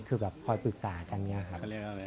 คือแบบคอยปรึกษากันเนี่ยครับ